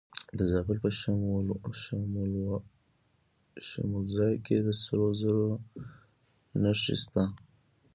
د زابل په شمولزای کې د سرو زرو نښې شته.